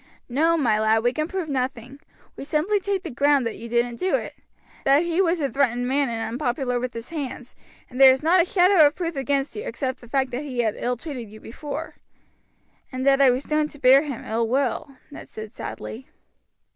No, my lad, we can prove nothing; we simply take the ground that you didn't do it; that he was a threatened man and unpopular with his hands; and there is not a shadow of proof against you except the fact that he had ill treated you just before." "And that I was known to bear him ill will," Ned said sadly.